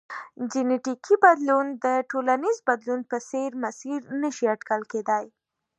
جنیټیکي بدلون د ټولنیز بدلون په څېر مسیر نه شي اټکل کېدای.